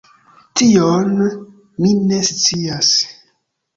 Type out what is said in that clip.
Tion mi ne scias.